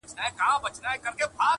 زه منکر نه یمه احسان یې د راتللو منم.!